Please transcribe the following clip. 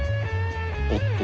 おっと。